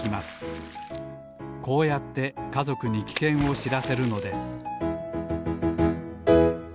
こうやってかぞくにきけんをしらせるのです